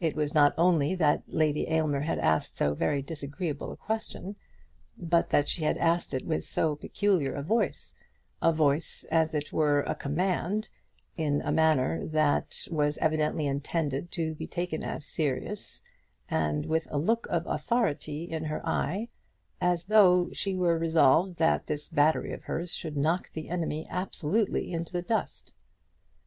It was not only that Lady Aylmer had asked so very disagreeable a question, but that she had asked it with so peculiar a voice, a voice as it were a command, in a manner that was evidently intended to be taken as serious, and with a look of authority in her eye, as though she were resolved that this battery of hers should knock the enemy absolutely in the dust!